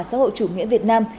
xã hội chủ nghĩa việt nam